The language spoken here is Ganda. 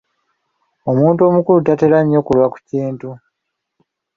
Omuntu omukulu tatera nnyo kulwa ku kintu.